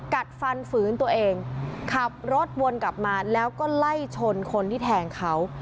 กัดฟันฝืนตัวเองขับรถวนกลับมาแล้วก็ไล่ชนคนที่แทงเขา